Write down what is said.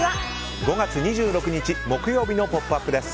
５月２６日木曜日の「ポップＵＰ！」です。